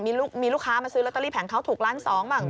มีลูกค้ามาซื้อลอตเตอรี่แผงเขาถูกล้านสองบ้าง